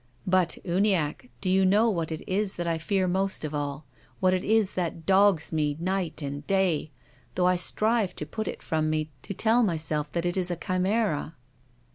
But, Uniackc, do you know what it is that I fear most of all, what it is that dogs me, night and d;'v ; though I strive to put it from me, to tell myself that it is a chimera?"